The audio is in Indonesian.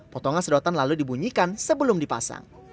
potongan sedotan lalu dibunyikan sebelum dipasang